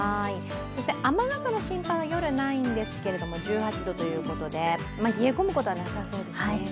雨傘の心配は夜ないんですけれども、１８度ということで、冷え込むことはなさそうですね。